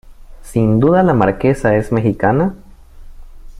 ¿ sin duda la Marquesa es mexicana?